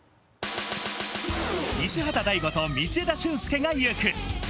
西畑大吾と道枝駿佑が行く！